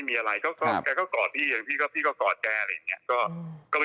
พี่หนุ่ม